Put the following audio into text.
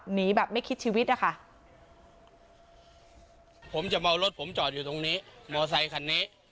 หนีแบบไม่คิดชีวิตนะคะผมจะเมารถผมจอดอยู่ตรงนี้มอไซคันนี้